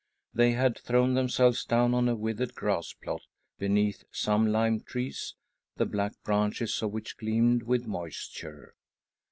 They had thrown themselves down on "a withered grass plot, beneath some lime trees, the black branches of which gleamed with moisture.